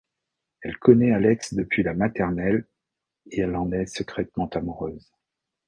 Elle connait Alex depuis la maternelle, et elle en est secrètement amoureuse.